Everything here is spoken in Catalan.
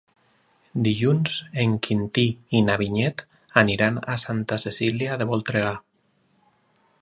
Dilluns en Quintí i na Vinyet aniran a Santa Cecília de Voltregà.